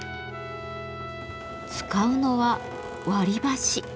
使うのは割り箸。